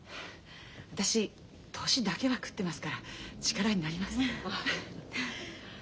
私年だけはくってますから力になります。